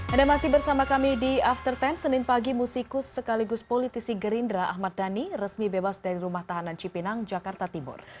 anda masih bersama kami di after sepuluh senin pagi musikus sekaligus politisi gerindra ahmad dhani resmi bebas dari rumah tahanan cipinang jakarta timur